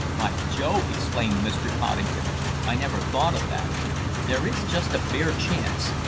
"By Jove!" exclaimed Mr. Poddington, "I never thought of that. There is just a bare chance.